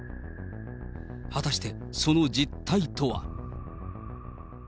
果たしてその実態とは。